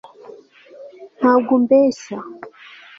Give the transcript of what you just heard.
ntabwo umbeshya